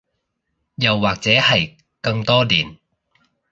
又或者係更多年